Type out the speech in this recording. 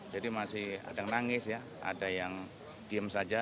jadi masih ada yang nangis ya ada yang diem saja